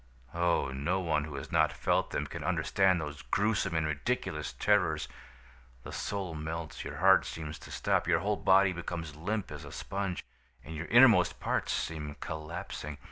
Oh, no one who has not felt them can understand those gruesome and ridiculous terrors! The soul melts; your heart seems to stop; your whole body becomes limp as a sponge, and your innermost parts seem collapsing.